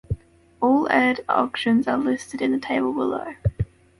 All aired auditions are listed in the table below.